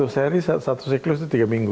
seri satu siklus itu tiga minggu